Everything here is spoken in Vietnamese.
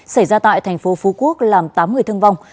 xảy ra tại thành phố phú quốc làm tám người thương vong